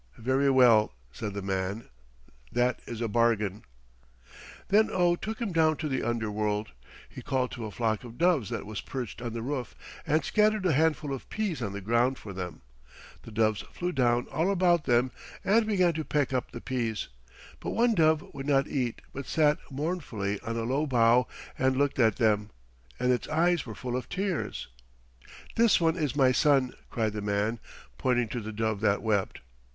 "Very well," said the man, "that is a bargain." Then Oh took him down to the underworld. He called to a flock of doves that was perched on the roof and scattered a handful of peas on the ground for them. The doves flew down all about them and began to peck up the peas; but one dove would not eat but sat mournfully on a low bough and looked at them, and its eyes were full of tears. "This one is my son," cried the man, pointing to the dove that wept.